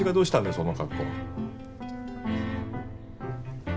その格好。